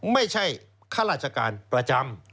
ไม่ใช่ข้าราชการประจำ